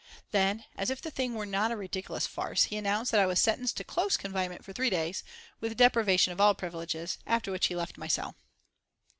Then, as if the thing were not a ridiculous farce, he announced that I was sentenced to close confinement for three days, with deprivation of all privileges, after which he left my cell.